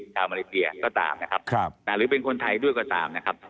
มาเลเซียก็ตามนะครับหรือเป็นคนไทยด้วยก็ตามนะครับ